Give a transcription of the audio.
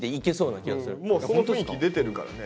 もうその雰囲気出てるからね。